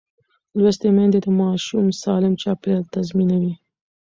لوستې میندې د ماشوم سالم چاپېریال تضمینوي.